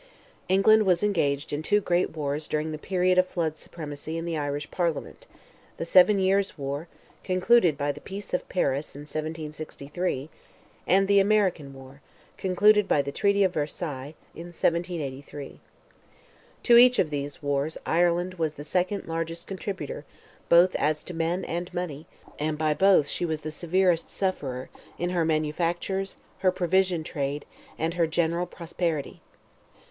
England was engaged in two great wars during the period of Flood's supremacy in the Irish Parliament—the seven years' war, concluded by the peace of Paris in 1763, and the American war, concluded by the treaty of Versailles, in 1783. To each of these wars Ireland was the second largest contributor both as to men and money; and by both she was the severest sufferer, in her manufactures, her provision trade, and her general prosperity.